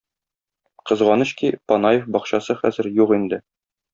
Кызганыч ки, Панаев бакчасы хәзер юк инде.